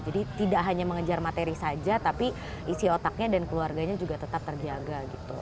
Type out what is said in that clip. jadi tidak hanya mengejar materi saja tapi isi otaknya dan keluarganya juga tetap terjaga gitu